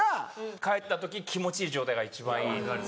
帰った時気持ちいい状態が一番いい。